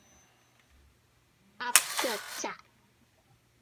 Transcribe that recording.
鴨腳扎